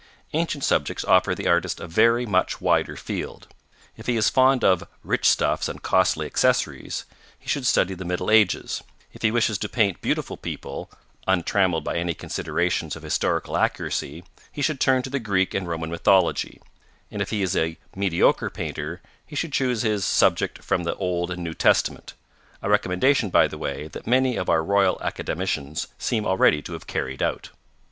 Ancient subjects offer the artist a very much wider field. If he is fond of 'rich stuffs and costly accessories' he should study the Middle Ages; if he wishes to paint beautiful people, 'untrammelled by any considerations of historical accuracy,' he should turn to the Greek and Roman mythology; and if he is a 'mediocre painter,' he should choose his 'subject from the Old and New Testament,' a recommendation, by the way, that many of our Royal Academicians seem already to have carried out.